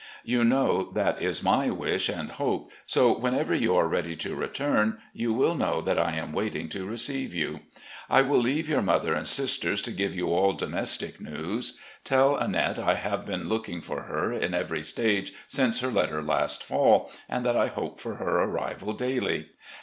You know that is my wish and hope, so whenever you are ready to return you will know that I am waiting to receive • you. I will leave yom: mother and sisters to give you all 254 RECOLLECTIONS OF GENERAL LEE domestic news. Tell Annette I have been looking for her in every stage since her letter last fall, and that I hope for her arrival daily.